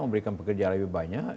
memberikan pekerjaan lebih banyak